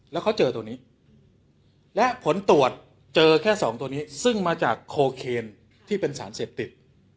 แล้วเขาเจอตัวนี้และผลตรวจเจอแค่สองตัวนี้ซึ่งมาจากโคเคนที่เป็นสารเสพติด